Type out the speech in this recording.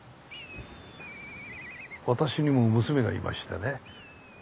私にも娘がいましてね。